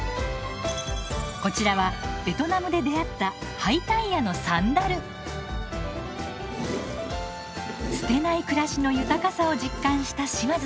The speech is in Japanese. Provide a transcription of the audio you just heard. こちらはベトナムで出会った捨てない暮らしの豊かさを実感した島津さん。